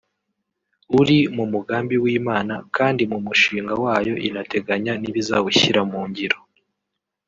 uri mu mugambi w’Imana kandi mu mushinga wayo inateganya n’ibizawushyira mu ngiro